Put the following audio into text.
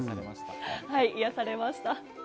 癒やされました。